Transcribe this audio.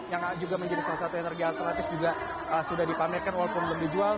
yang juga menjadi salah satu energi alternatif juga sudah dipamerkan walaupun belum dijual